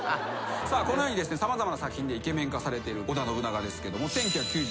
このように様々な作品でイケメン化されてる織田信長ですが。